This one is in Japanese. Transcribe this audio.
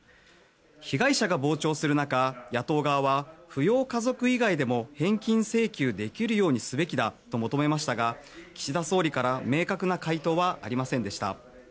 被害者が膨張する中野党側は扶養家族以外でも返金請求できるようにすべきだと求めましたが岸田総理から明確な回答はありませんでした。